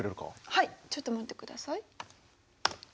はいちょっと待ってください。